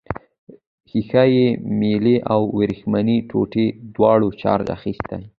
ښيښه یي میلې او وریښمينې ټوټې دواړو چارج اخیستی.